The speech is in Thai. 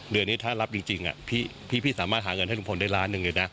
เดือนนี้ถ้ารับจริงพี่สามารถหาเงินให้ลุงพลได้ล้านหนึ่งเลยนะ